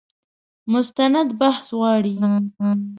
مستند بحث غواړي.